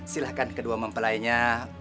silahkan kedua mempelainya